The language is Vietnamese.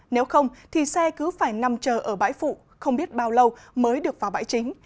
nếu không thì xe cứ phải nằm chờ ở bãi phụ không biết bao lâu mới được vào bãi chính